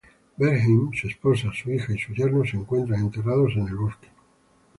Bernheim, su esposa, su hija, y su yerno se encuentran enterrados en el bosque.